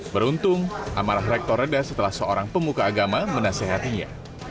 beruntung amarah rektor reda setelah seorang pemuka agama menasehatinya